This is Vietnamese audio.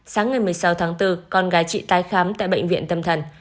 sáng ngày một mươi sáu tháng bốn con gái chị tái khám tại bệnh viện tâm thần